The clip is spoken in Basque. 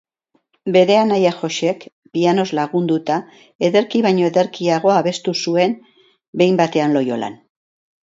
Bere anaia Josek pianoz lagunduta, ederki baino ederkiago abestu zuen "Behin batean Loiolan".